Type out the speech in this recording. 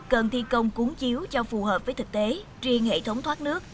cần thi công cuốn chiếu cho phù hợp với thực tế riêng hệ thống thoát nước